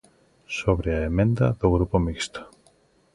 Sobre a emenda do Grupo Mixto.